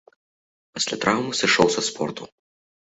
Пасля траўмы сышоў са спорту.